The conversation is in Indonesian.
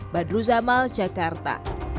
badruz amal jakarta